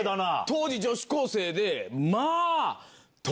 当時女子高生で。